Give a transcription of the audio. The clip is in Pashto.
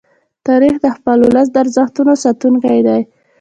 تاریخ د خپل ولس د ارزښتونو ساتونکی دی.